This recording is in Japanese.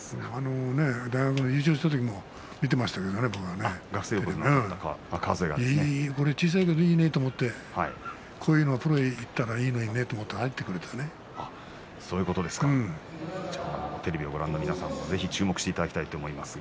大学で優勝したときも見ていたけれども小さいけれどもいいんだってこういうのがプロに入ったらいいなと思っていたけれどもテレビのご覧の皆さんもぜひ注目していただきたいと思います。